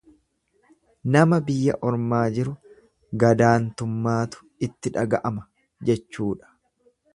Nama biyya ormaa jiru gadaantummaatu itti dhaga'ama jechuudha.